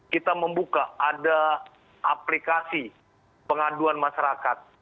kita membuka ada aplikasi pengaduan masyarakat